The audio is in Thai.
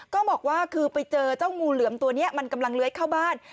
ก็บอกว่าคือไปเจอเจ้างูเหลือมตัวนี้มันกำลังเลื้อยเข้าบ้าน